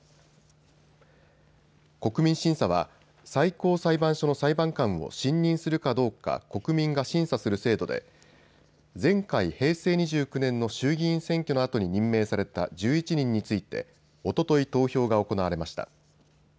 国民審査は最高裁判所の裁判官を信任するかどうか国民が審査する制度で前回、平成２９年の衆議院選挙のあとに任命された１１人についておととい投票が行われました。